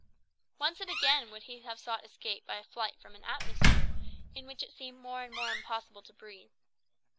Once and again would he have sought escape by flight from an atmosphere in which it seemed more and more impossible to breathe.